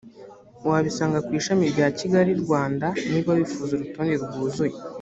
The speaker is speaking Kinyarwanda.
wabisanga ku ishami rya kigali rwanda niba wifuza urutonde rwuzuye